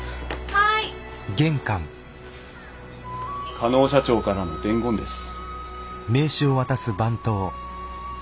嘉納社長からの伝言です。